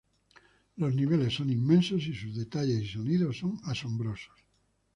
Los niveles son inmensos y sus detalles y sonido son asombrosos.